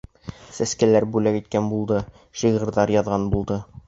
Сәскәләр бүләк иткән булды, шиғырҙар яҙған булды.